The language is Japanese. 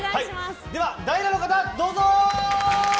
では、代打の方どうぞ！